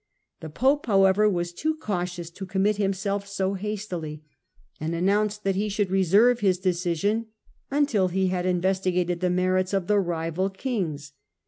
The pope, however, was too cautious to commit himself so hastily, and announced that he should resOTve his decision until he had investigated the merits of the rival kings.